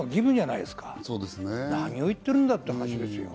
何を言ってるんだって話ですよ。